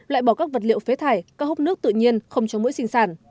loại bỏ các vật liệu phế thải các hốc nước tự nhiên không cho mũi sinh sản